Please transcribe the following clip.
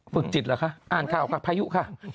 ฝึกจิตเหรอคะอ่านข่าวค่ะพายุค่ะ